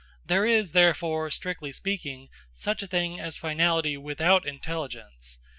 There is therefore, strictly speaking, such a thing as finality without intelligence.